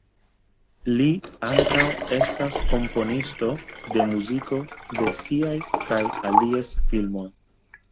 Li ankaŭ estas komponisto de muziko de siaj kaj alies filmoj.